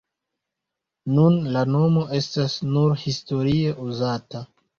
Nun la nomo estas nur historie uzata.